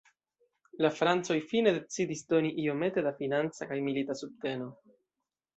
La francoj fine decidis doni iomete da financa kaj milita subteno.